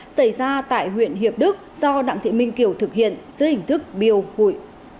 xảy ra tại huyện hiệp đức do đặng thị minh kiều thực hiện dưới hình thức biêu hụi